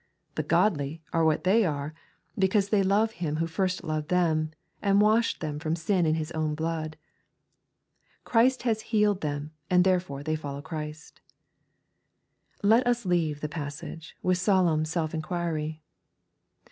The godly are what they are, because they love Him who first loved them, and washed them from sin in His own blood. Christ has healed them, and therefore they follow Christ Let us leave the passage with solemn self inquiry.